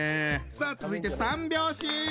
さあ続いて三拍子！